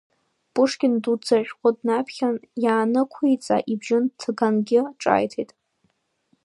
Пушкин дуӡӡа ашәҟәы днаԥхьаны ианнықәиҵа, ибжьы ҭгангьы ҿааиҭит…